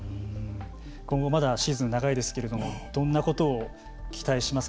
今後まだシーズン長いですけれどもどんなことを期待します？